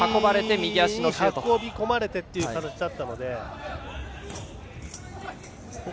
右に運び込まれてという形だったので。